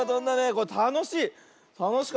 これたのしい。